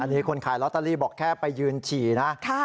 นี่คนขายลอตเตอรี่บอกแค่ไปยืนฉี่นะ